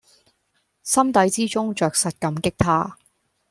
心底之中著實感激他